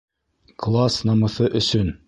КЛАСС НАМЫҪЫ ӨСӨН